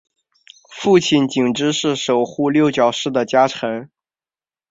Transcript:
父亲景之是守护六角氏的家臣。